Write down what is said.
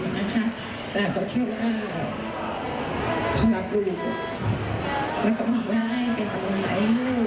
ไม่ขอบคุณไม่ได้เป็นข้อมูลใจ